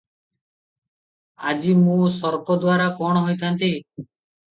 ଆଜି ମୁଁ ସର୍ପଦ୍ୱାରା କଣ ହୋଇଥାନ୍ତି ।